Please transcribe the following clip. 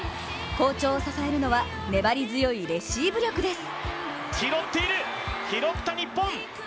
好調を支えるのは、粘り強いレシーブ力です。